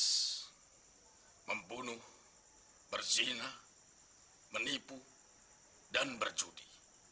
saya membunuh berzina menipu dan berjudi